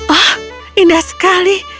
oh indah sekali